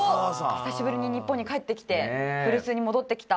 久しぶりに日本に帰ってきて古巣に戻ってきた。